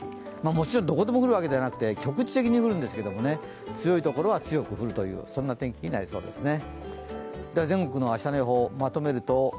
もちろんどこでも降るわけではなくて局地的に降るんですけどね、強い所は強く降るという天気になりそうですね。